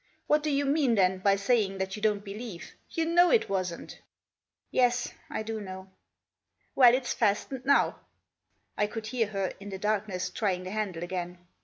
What do you mean, then, by saying that you don't believe ? you know it wasn't." " Yes ; I do know." " Well, it's fastened now." I could hear her, in the darkness, trying the handle again.